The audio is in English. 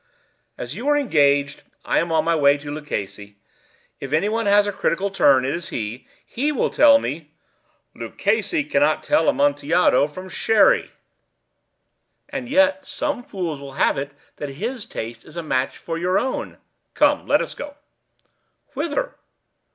"As you are engaged, I am on my way to Luchesi. If any one has a critical turn, it is he. He will tell me—" "Luchesi cannot tell Amontillado from Sherry." "And yet some fools will have it that his taste is a match for your own." "Come, let us go." "Whither?"